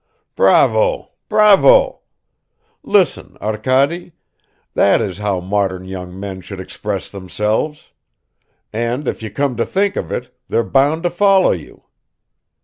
"Bravo, bravo! Listen, Arkady ... that is how modern young men should express themselves! And if you come to think of it, they're bound to follow you.